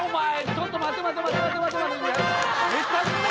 ちょっと待て待て待て。